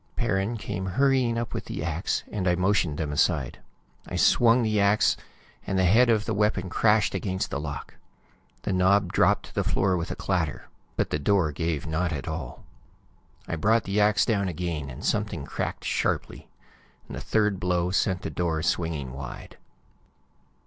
Perrin came hurrying up with the ax, and I motioned them aside. I swung the ax, and the head of the weapon crashed against the lock. The knob dropped to the floor with a clatter, but the door gave not at all. I brought the ax down again, and something cracked sharply. The third blow sent the door swinging wide.